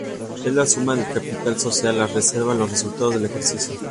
Es la suma del capital social, las reservas y resultados del ejercicio.